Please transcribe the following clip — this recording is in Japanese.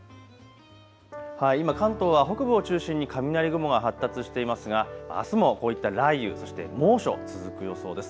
今関東は北部を中心に雷雲が発達していますが、あすもこういった雷雨、そして猛暑、続く予想です。